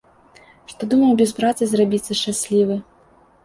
Што думаў без працы зрабіцца шчаслівы.